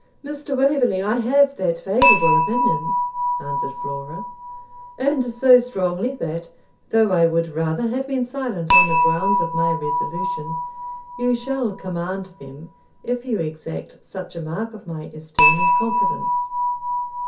'Mr. Waverley, I HAVE that favourable opinion,' answered Flora; 'and so strongly that, though I would rather have been silent on the grounds of my resolution, you shall command them, if you exact such a mark of my esteem and confidence.'